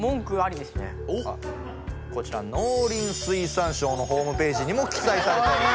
こちら農林水産省のホームページにも記さいされております。